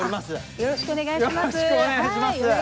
よろしくお願いします。